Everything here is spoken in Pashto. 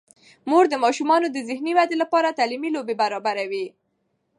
مور د ماشومانو د ذهني ودې لپاره تعلیمي لوبې برابروي.